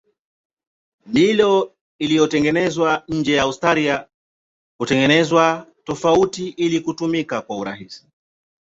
Milo iliyotengenezwa nje ya Australia hutengenezwa tofauti ili kutumika kwa urahisi.